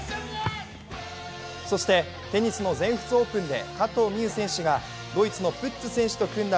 そしてテニスの全仏オープンで加藤未唯選手がドイツのプッツ選手と組んだ